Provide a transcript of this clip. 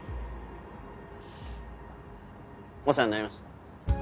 お世話になりました。